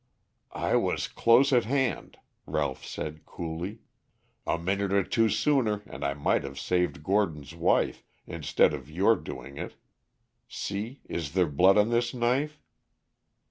"I was close at hand," Ralph said coolly. "A minute or two sooner and I might have saved Gordon's wife, instead of your doing it. See, is there blood on this knife?"